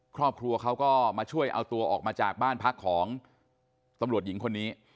ครอบครัวเขาก็มาช่วยเอาตัวออกมาจากบ้านพักของตำรวจหญิงคนนี้